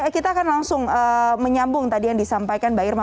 kita akan langsung menyambung tadi yang disampaikan mbak irma